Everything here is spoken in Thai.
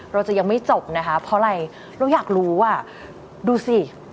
เราจะยังไม่จบนะคะเพราะอะไรเราอยากรู้อ่ะดูสิ